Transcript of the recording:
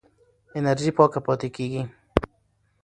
انرژي پاکه پاتې کېږي.